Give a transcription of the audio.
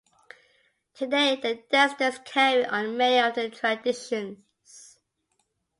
Today their descendants carry on many of their traditions.